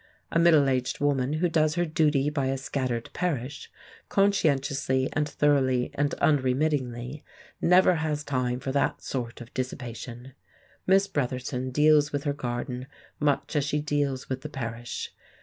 A middle aged woman who does her duty by a scattered parish, conscientiously and thoroughly and unremittingly, never has time for that sort of dissipation! Miss Bretherton deals with her garden much as she deals with the parish.